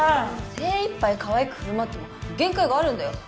精いっぱいかわいく振る舞っても限界があるんだよ